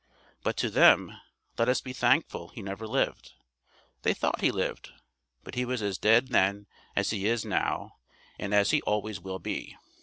But to them, let us be thankful, he never lived. They thought he lived, but he was as dead then as he is now and as he always will be.